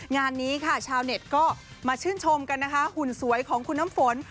งานนี้ค่ะชาวเน็ตก็มาชื่นชมกันนะคะหุ่นสวยของคุณน้ำฝน